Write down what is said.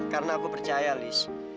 karena aku percaya liz